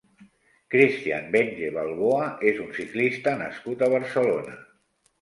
Christian Venge Balboa és un ciclista nascut a Barcelona.